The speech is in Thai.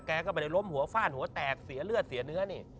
แกก็ไปล้มหัวฟ่านหัวแตกเสียเลือดเสียเนื้อนี่